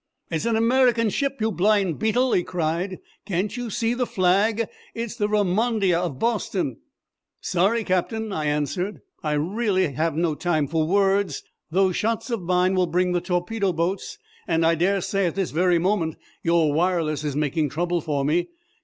"It's an American ship, you blind beetle!" he cried. "Can't you see the flag? It's the Vermondia, of Boston." "Sorry, Captain," I answered. "I have really no time for words. Those shots of mine will bring the torpedo boats, and I dare say at this very moment your wireless is making trouble for me.